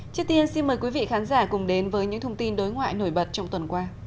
trước tiên xin mời quý vị khán giả cùng đến với những thông tin đối ngoại nổi bật trong tuần qua